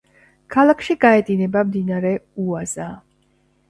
ქალაქში გაედინება მდინარე უაზა.